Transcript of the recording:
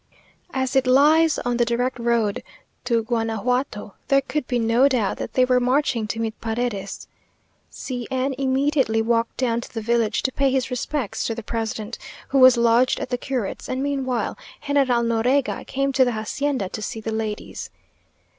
As it lies on the direct road to Guanajuato there could be no doubt that they were marching to meet Paredes. C n immediately walked down to the village to pay his respects to the president, who was lodged at the curate's, and meanwhile General Noriega came to the hacienda to see the ladies.